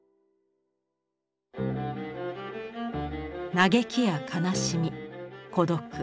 嘆きや悲しみ孤独。